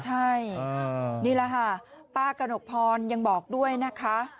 ใช่นี่แหละค่ะป้ากระหนกพรยังบอกด้วยนะคะ